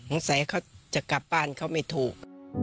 อาจจะกลับบ้านเขาไม่ถูก